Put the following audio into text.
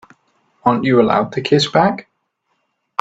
Aren't you allowed to kiss back?